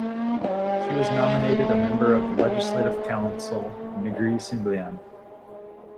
She was nominated a member of the Legislative Council in Negri Sembilan.